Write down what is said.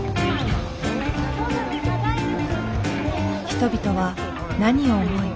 人々は何を思い